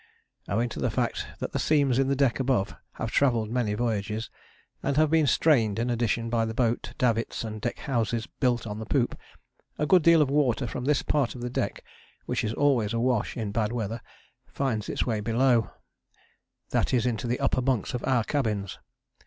Owing to the fact that the seams in the deck above have travelled many voyages, and have been strained in addition by the boat davits and deck houses built on the poop, a good deal of water from this part of the deck, which is always awash in bad weather, finds its way below, that is into the upper bunks of our cabins.